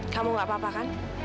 kamu gak apa apa kan